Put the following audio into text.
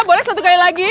boleh satu kali lagi